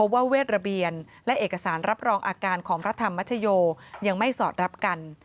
ว่าเวทระเบียนและเอกสารรับรองอาการของพระธรรมชโยยังไม่สอดรับกัน